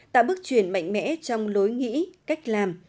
tạo bước chuyển mạnh mẽ trong lối nghĩ cách làm